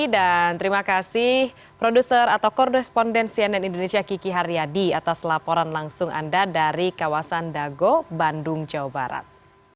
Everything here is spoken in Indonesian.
dan terima kasih produser atau koresponden cnn indonesia kiki haryadi atas laporan langsung anda dari kawasan dago bandung jawa barat